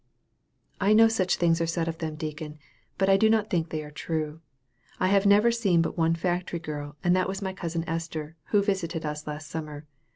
"I know such things are said of them, deacon, but I do not think they are true. I have never seen but one factory girl, and that was my cousin Esther, who visited us last summer.